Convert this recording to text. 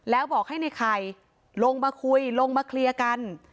แล้วบอกให้ในไข่ลงมาคุยลงมาเคลียร์กัน